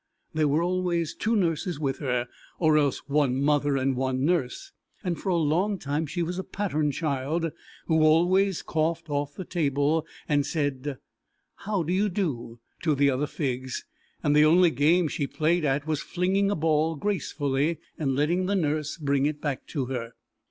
There were always two nurses with her, or else one mother and one nurse, and for a long time she was a pattern child who always coughed off the table and said, "How do you do?" to the other Figs, and the only game she played at was flinging a ball gracefully and letting the nurse bring it back to her.